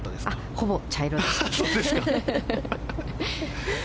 ほぼ茶色です。